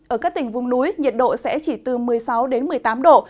ở các tỉnh vùng núi nhiệt độ sẽ chỉ từ một mươi sáu đến một mươi tám độ